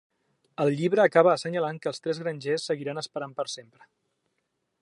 El llibre acaba assenyalant que els tres grangers seguiran esperant per sempre.